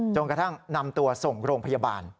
กระทั่งนำตัวส่งโรงพยาบาล